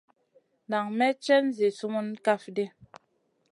Nan may cèn zi sumun kaf ɗi.